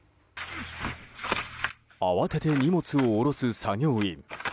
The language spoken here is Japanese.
慌てて荷物を下ろす作業員。